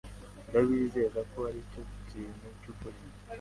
Ndabizeza ko aricyo kintu cyukuri.